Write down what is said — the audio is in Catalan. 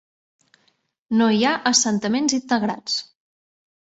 No hi ha assentaments integrats.